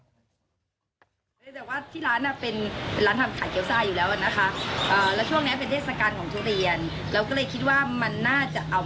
แต่ว่าที่ร้านเป็นร้านทำขายเกี๊ยวซ่าอยู่แล้วนะคะ